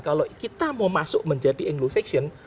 kalau kita mau masuk menjadi english action